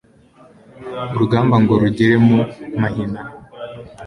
urugamba ngo rugere mu mahina